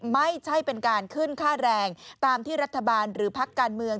ไม่ใช่เป็นการขึ้นค่าแรงตามที่รัฐบาลหรือพักการเมือง